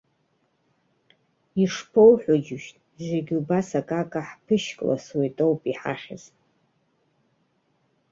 Ишԥоуҳәо џьоушьҭ, зегь убас акака ҳԥышькласуеит ауп иҳахьыз?!